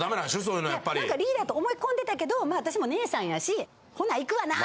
いやなんかリーダーと思い込んでたけどあたしも姉さんやしほな行くわなって。